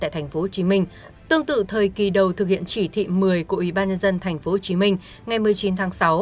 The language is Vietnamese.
tại tp hcm tương tự thời kỳ đầu thực hiện chỉ thị một mươi của ủy ban nhân dân tp hcm ngày một mươi chín tháng sáu